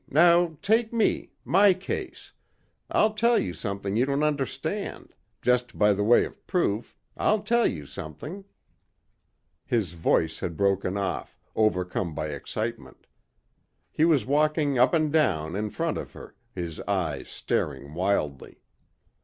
Now take me ... my case.... I'll tell you something you don't understand ... just by the way of proof.... I'll tell you something...." His voice had broken off, overcome by excitement. He was walking up and down in front of her, his eyes staring wildly.